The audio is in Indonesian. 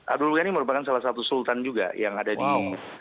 abdul ghani merupakan salah satu sultan juga yang ada di